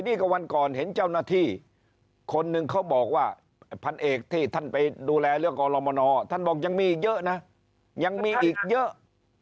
นี่ก็วันก่อนเห็นเจ้าหน้าที่คนหนึ่งเขาบอกว่าพันเอกที่ท่านไปดูแลเรื่องกรมนท่านบอกยังมีอีกเยอะนะยังมีอีกเยอะ